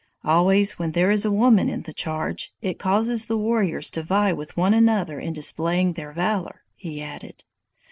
Always when there is a woman in the charge, it causes the warriors to vie with one another in displaying their valor," he added.